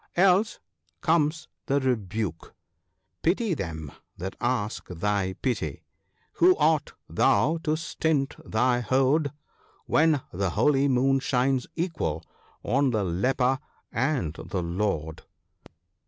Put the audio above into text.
Else comes the rebuke —" Pity them that ask thy pity : who art thou to stint thy hoard, When the holy moon shines equal on the leper and the lord